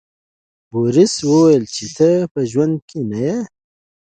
بوریس وویل چې ته به ژوندی نه یې.